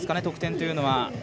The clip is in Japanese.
得点というのは。